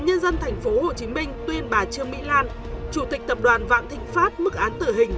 nhân dân thành phố hồ chí minh tuyên bà trương mỹ lan chủ tịch tập đoàn vạn thịnh pháp mức án tử hình